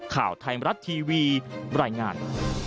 ข่าวไทยมรัฐทีวีบรรยายงาน